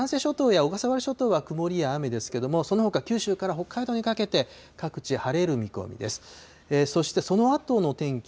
きょうは南西諸島や小笠原諸島は曇りや雨ですけれども、そのほか、九州から北海道にかけて、各地、晴れる見込みです。